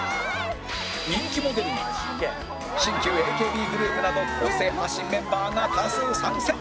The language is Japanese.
人気モデルに新旧 ＡＫＢ グループなど個性派新メンバーが多数参戦！